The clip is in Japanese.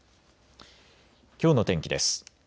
きょうの天気です。